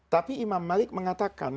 tapi imam malik mengatakan